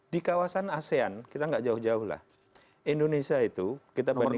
di kawasan asean kita enggak jauh jauh lah indonesia itu kita bandingkan